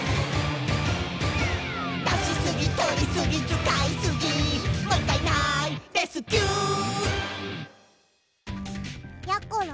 「出しすぎとりすぎ使いすぎもったいないレスキュー」やころ